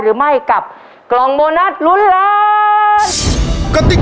ภายในเวลา๓นาที